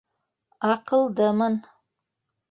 Аҡылдымын.